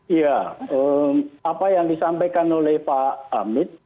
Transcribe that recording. iya apa yang disampaikan oleh pak hamid